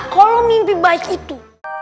kalo mimpi baik itu